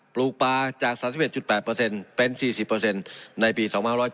ปลูกปลาจาก๓๑๘เป็น๔๐ในปี๒๗